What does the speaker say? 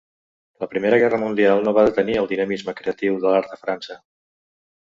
La Primera Guerra Mundial no va detenir el dinamisme creatiu de l'art a França.